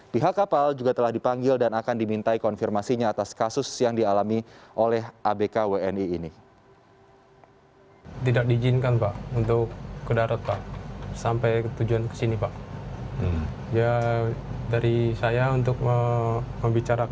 pihak kapal juga telah dipanggil dan akan dimintai konfirmasinya atas kasus yang dialami oleh abk wni ini